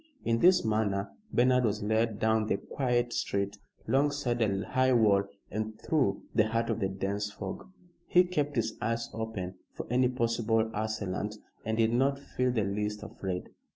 In this manner Bernard was led down the quiet street, 'longside a high wall and through the heart of the dense fog. He kept his eyes open for any possible assailant, and did not feel the least afraid.